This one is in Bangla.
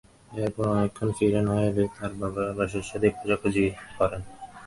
এরপর অনেকক্ষণ ফিরে না এলে তাঁর বাবা বাসার ছাদে উঠে খোঁজাখুঁজি করেন।